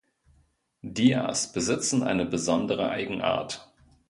Dias besitzen eine besondere Eigenart.